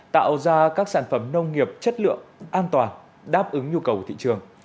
tạo ra các sản phẩm nông nghiệp chất lượng an toàn đáp ứng nhu cầu thị trường